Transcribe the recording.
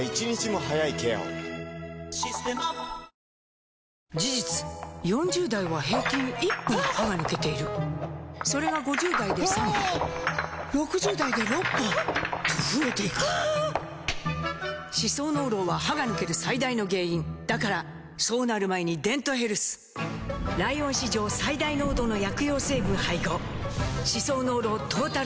「システマ」事実４０代は平均１本歯が抜けているそれが５０代で３本６０代で６本と増えていく歯槽膿漏は歯が抜ける最大の原因だからそうなる前に「デントヘルス」ライオン史上最大濃度の薬用成分配合歯槽膿漏トータルケア！